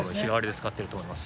使ってると思います。